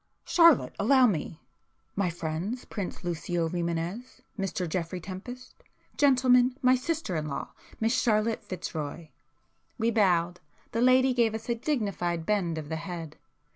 "Charlotte, allow me,—my friends, Prince Lucio Rimânez—Mr Geoffrey Tempest; gentlemen, my sister in law, Miss Charlotte Fitzroy." We bowed; the lady gave us a dignified bend of the head.